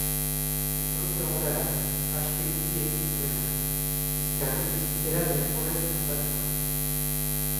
Mikrobio ahula da, aske bizi ezin duena, bizkarroi-bizitzera derrigorrez moldatua.